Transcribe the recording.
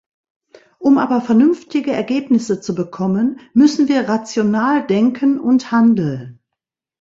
Um aber vernünftige Ergebnisse zu bekommen, müssen wir rational denken und handeln.